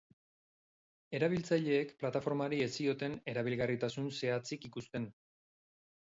Erabiltzaileek plataformari ez zioten erabilgarritasun zehatzik ikusten.